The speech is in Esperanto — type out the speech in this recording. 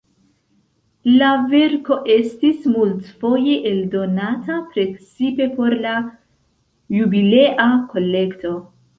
La verko estis multfoje eldonata, precipe por la Jubilea Kolekto.